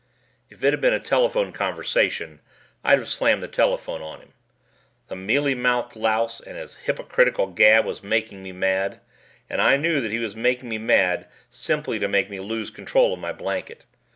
If it had been a telephone conversation, I'd have slammed the telephone on him. The mealymouthed louse and his hypocritical gab was making me mad and I knew that he was making me mad simply to make me lose control of my blanket.